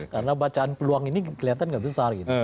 karena bacaan peluang ini kelihatan nggak besar